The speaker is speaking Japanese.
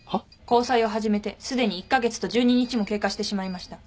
交際を始めてすでに１カ月と１２日も経過してしまいました。